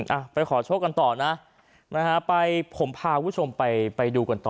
อ่ะไปขอโชคกันต่อนะนะฮะไปผมพาคุณผู้ชมไปไปดูกันต่อ